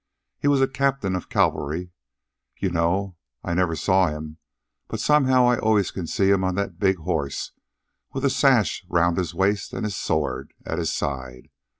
He was a captain of cavalry, you know. I never saw him, but somehow I always can see him on that big horse, with a sash around his waist and his sword at his side.